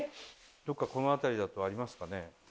どっかこの辺りだとありますかね？